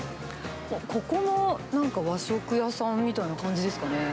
ここのなんか和食屋さんみたいな感じですかね。